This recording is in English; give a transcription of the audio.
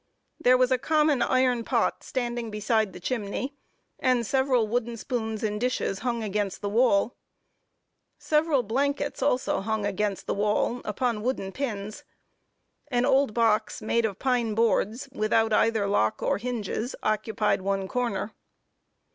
There was a common iron pot standing beside the chimney, and several wooden spoons and dishes hung against the wall. Several blankets also hung against the wall upon wooden pins. An old box, made of pine boards, without either lock or hinges, occupied one corner.